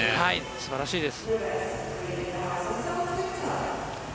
素晴らしいです。